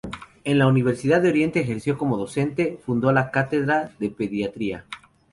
En la Universidad de Oriente ejerció como docente; fundó la Cátedra de Pediatría.